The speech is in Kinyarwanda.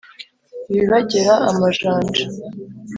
ibibagera amajanja